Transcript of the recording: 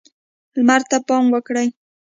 لمر ته پام وکړئ.